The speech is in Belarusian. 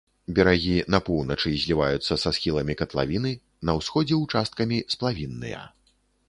Берагі на поўначы зліваюцца са схіламі катлавіны, на ўсходзе участкамі сплавінныя.